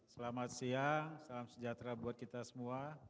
selamat siang salam sejahtera buat kita semua